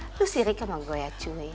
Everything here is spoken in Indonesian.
kamu kesirikan sama saya ya cuy